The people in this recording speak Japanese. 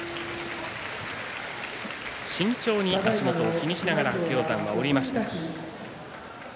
慎重に足元を気にしながら白鷹山、降りました。